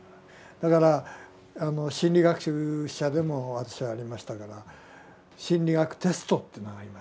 だから心理学者でも私はありましたから心理学テストというのがありますね。